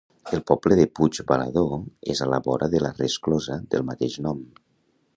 El poble de Puigbalador és a la vora de la resclosa del mateix nom.